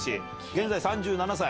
現在３７歳。